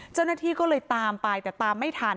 เจ้าหน้าที่ก็เลยตามไปแต่ตามไม่ทัน